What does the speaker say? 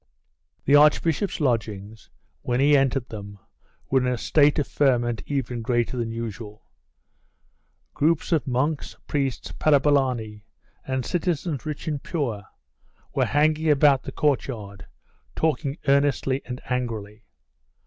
The archbishop's lodgings, when he entered them, were in a state of ferment even greater than usual. Groups of monks, priests, parabolani, and citizens rich and poor, were banging about the courtyard, talking earnestly and angrily.